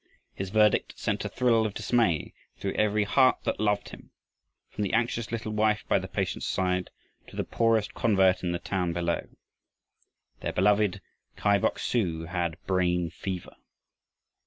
His verdict sent a thrill of dismay through every heart that loved him, from the anxious little wife by the patient's side, to the poorest convert in the town below. Their beloved Kai Bok su had brain fever.